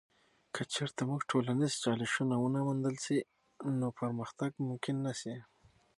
که چیرته موږ ټولنیز چالشونه ونه موندل سي، نو پرمختګ ممکن نه سي.